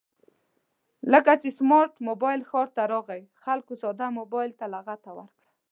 کله چې سمارټ مبایل ښار ته راغی خلکو ساده مبایل ته لغته ورکړه